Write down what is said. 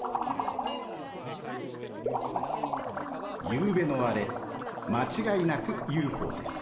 ゆうべのあれ間違いなくＵＦＯです。